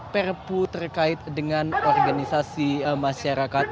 perpu terkait dengan organisasi masyarakat